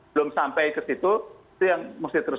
belum sampai ke situ itu yang mesti terus